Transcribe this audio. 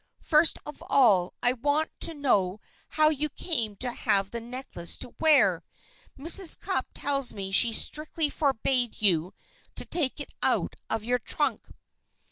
First of all, I want to know how you came to have the necklace to wear. Mrs. Cupp tells me she strictly forbade you to take it out of your trunk."